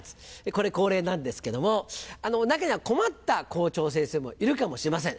これ恒例なんですけども中には困った校長先生もいるかもしれません。